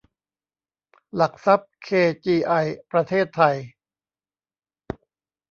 หลักทรัพย์ เคจีไอ ประเทศไทย